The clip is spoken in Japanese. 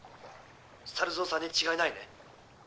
猿蔵さんに違いないね？